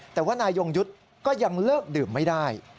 แต่ว่านายยงยุทธ์ก็ยังเลิกดื่มไม่ได้